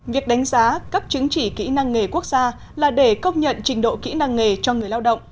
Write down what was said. việc đánh giá cấp chứng chỉ kỹ năng nghề quốc gia là để công nhận trình độ kỹ năng nghề cho người lao động